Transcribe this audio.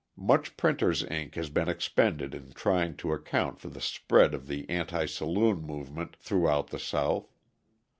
Much printers' ink has been expended in trying to account for the spread of the anti saloon movement throughout the South.